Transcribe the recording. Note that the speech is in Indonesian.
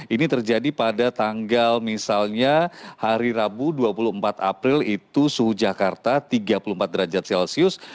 ini terjadi pada tanggal misalnya hari rabu dua puluh empat april itu suhu jakarta tiga puluh empat derajat celcius